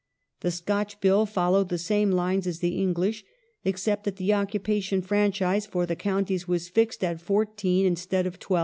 The Scotch Bill followed the same lines as the English, except that the occupation franchise for counties was fixed at £14 instead of £12.